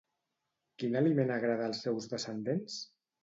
Quin aliment agrada als seus descendents?